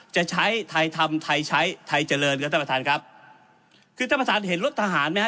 จะใช้ไทยทำไทยใช้ไทยเจริญครับท่านประธานครับคือท่านประธานเห็นรถทหารไหมฮ